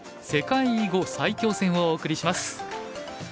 世界囲碁最強戦」をお送りします。